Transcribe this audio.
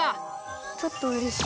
ちょっとうれしい。